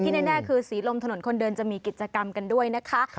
แน่คือศรีลมถนนคนเดินจะมีกิจกรรมกันด้วยนะคะ